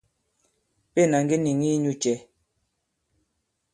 Pên à ŋge nìŋi inyū cɛ̄ ?